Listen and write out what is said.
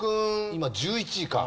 今１１位か。